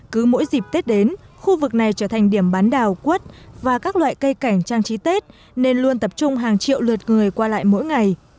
cứ mỗi dịp tết đến khu vực này trở thành điểm bán đào quất và các loại cây cảnh trang trí tết nên luôn tập trung hàng triệu lượt người qua lại mỗi ngày